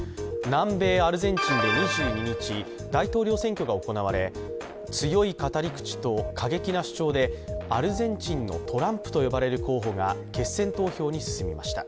南米アルゼンチンで２２日大統領選挙が行われ、強い語り口と過激な主張で、アルゼンチンのトランプと呼ばれる候補が決選投票に進みました。